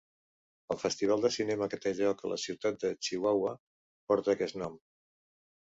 El festival de cinema que té lloc a la ciutat de Chihuahua porta aquest nom.